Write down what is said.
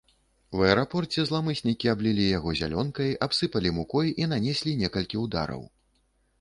У аэрапорце зламыснікі аблілі яго зялёнкай, абсыпалі мукой і нанеслі некалькі ўдараў.